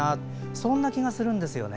そんな気がするんですよね。